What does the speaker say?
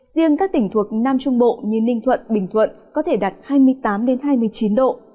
riêng các tỉnh thuộc nam trung bộ như ninh thuận bình thuận có thể đạt hai mươi tám hai mươi chín độ